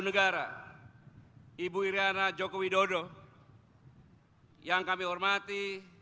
yang kami hormati